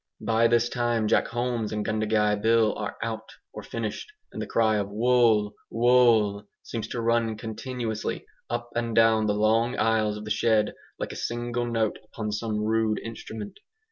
By this time Jack Holmes and Gundagai Bill are 'out,' or finished; and the cry of "Wool!' Wool!" seems to run continuously up and down the long aisles of the shed, like a single note upon some rude instrument.